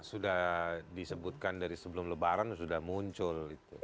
sudah disebutkan dari sebelum lebaran sudah muncul